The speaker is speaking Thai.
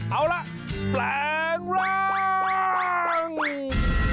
เอาล่ะแปลงร่าง